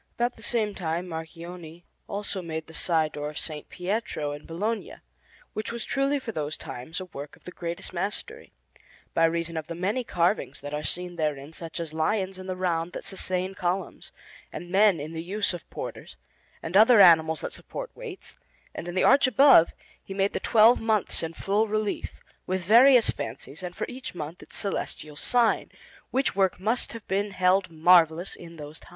About the same time Marchionne also made the side door of S. Pietro in Bologna, which was truly for those times a work of the greatest mastery, by reason of the many carvings that are seen therein, such as lions in the round that sustain columns, and men in the use of porters, and other animals that support weights; and in the arch above he made the twelve months in full relief, with various fancies, and for each month its celestial sign; which work must have been held marvellous in those times.